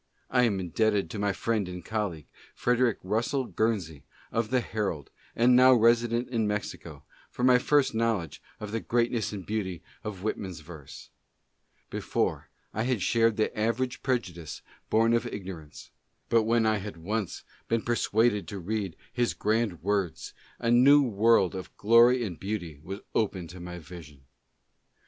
I am indebted to my friend and colleague, Frederick Russell Guernsey, of the Herald, and now resident in Mexico, for my first knowledge of the greatness and beauty of Whitman's verse. Before, I had shared the average prejudice born of igno rance ; but when I had once been persuaded to read his grand words, a new world of glory and beauty was opened to my vision.